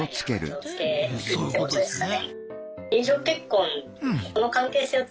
そういうことですね。